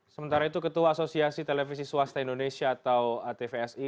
sementara itu ketua asosiasi televisi swasta indonesia atau atvsi